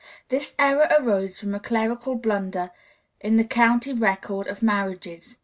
This error arose from a clerical blunder in the county record of marriages.